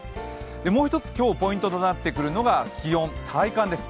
もう一つ今日ポイントとなってくるのが気温、体感です。